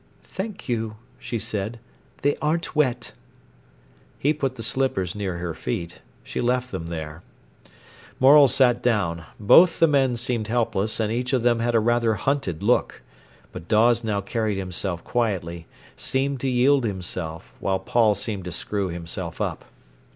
"Thank you," she said. "They aren't wet." He put the slippers near her feet. She left them there. Morel sat down. Both the men seemed helpless, and each of them had a rather hunted look. But Dawes now carried himself quietly, seemed to yield himself, while Paul seemed to screw himself up.